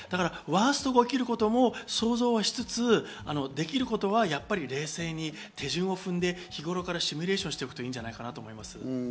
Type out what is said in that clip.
ワーストが起きることも想像はしつつ、できることはやっぱり冷静に手順を踏んで、日頃からシミュレーションしておくといいんじゃないかなと思います。